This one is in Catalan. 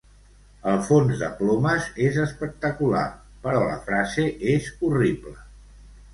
El fons de plomes és espectacular però la frase és horrible.